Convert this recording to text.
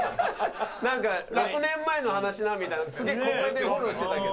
なんか「６年前の話な」みたいなのすげえ小声でフォローしてたけど。